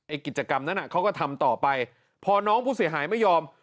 กิจกรรมนั้นเขาก็ทำต่อไปพอน้องผู้เสียหายไม่ยอม